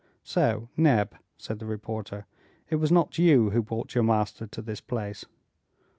"So, Neb," said the reporter, "it was not you who brought your master to this place."